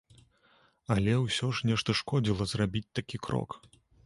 Але ўсё ж нешта шкодзіла зрабіць такі крок.